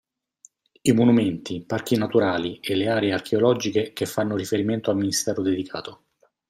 I monumenti, parchi naturali e le aree archeologiche che fanno riferimento al Ministero dedicato.